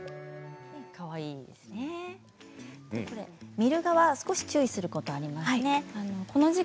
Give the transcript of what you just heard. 見る側は注意することがありますね。